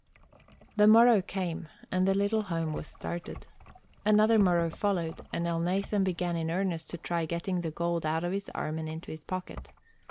The morrow came, and the little home was started. Another morrow followed, and Elnathan began in earnest to try getting the gold out of his arm and into his pocket.